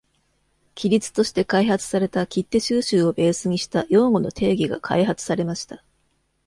規律として開発された切手収集をベースにした用語の定義が開発されました。